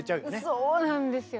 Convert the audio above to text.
そうなんですよ。